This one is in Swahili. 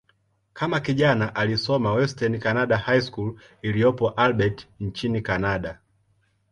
Kama kijana, alisoma "Western Canada High School" iliyopo Albert, nchini Kanada.